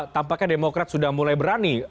tampaknya demokrat sudah mulai berani